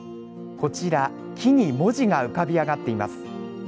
こちら、木に文字が浮かび上がっています。